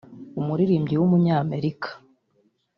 umuririmbyi w’umunyamerika